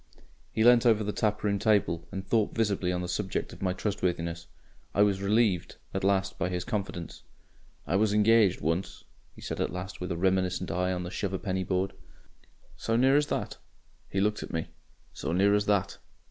He leant over the taproom table and thought visibly on the subject of my trustworthiness. I was relieved at last by his confidence. "I was engaged once," he said at last, with a reminiscent eye on the shuv a'penny board. "So near as that?" He looked at me. "So near as that.